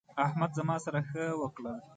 احمد زما سره ښه وکړل.